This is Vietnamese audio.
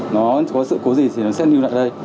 nó có sự cố gì thì nó sẽ lưu lại đây